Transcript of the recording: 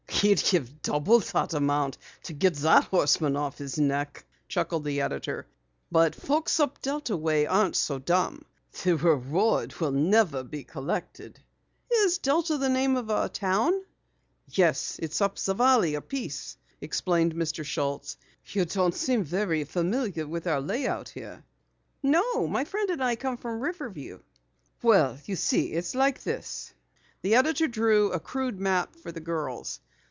"He'd give double the amount to get that Horseman off his neck!" chuckled the editor. "But folks up Delta way aren't so dumb. The reward never will be collected." "Is Delta the name of a town?" "Yes, it's up the valley a piece," explained Mr. Schultz. "You don't seem very familiar with our layout here." "No, my friend and I come from Riverview." "Well, you see, it's like this." The editor drew a crude map for the girls.